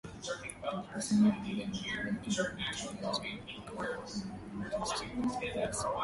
Alikusanya baadhi ya mizigo yake na kutoka nje akampatia muhudumu kiasi cha pesa